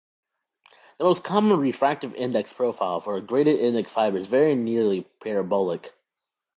The most common refractive index profile for a graded-index fiber is very nearly parabolic.